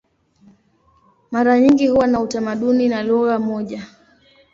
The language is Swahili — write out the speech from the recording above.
Mara nyingi huwa na utamaduni na lugha moja.